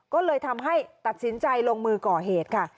ก็เลยทำให้ตัดสินใจลงมือก่อเหตุค่ะ